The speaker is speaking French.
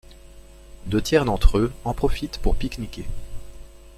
Deux-tiers d'entre eux en profitent pour pique-niquer.